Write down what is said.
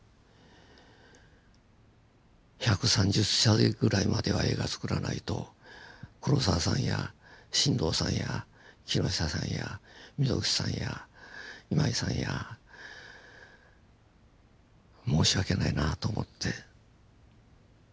１３０歳ぐらいまでは映画つくらないと黒澤さんや新藤さんや木下さんや溝口さんや今井さんや申し訳ないなと思って。